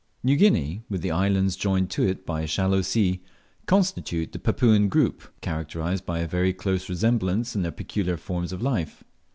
NEW GUINEA, with the islands joined to it by a shallow sea, constitute the Papuan group, characterised by a very close resemblance in their peculiar forms of life.